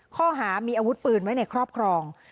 ข้อหามีอาวุธปืนไว้ในครอบครอง